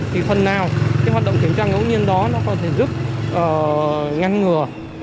thì phần nào hoạt động kiểm tra ngẫu nhiên đó có thể giúp ngăn ngừa